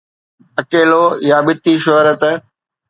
اڪيلو يا ٻٽي شهريت